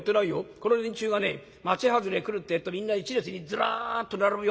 この連中がね町外れへ来るってえとみんな１列にずらっと並ぶよ。